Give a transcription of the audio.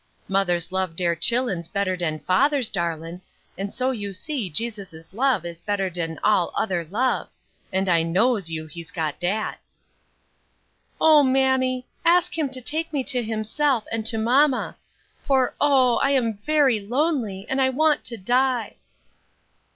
Mothers love dere chillens better dan fathers, darlin', and so you see Jesus' love is better dan all other love; and I knows you hes got dat." "O mammy! ask Him to take me to Himself, and to mamma for oh! I am very lonely, and I want to die!"